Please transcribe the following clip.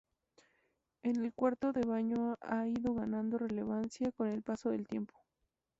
El cuarto de baño ha ido ganando relevancia con el paso del tiempo.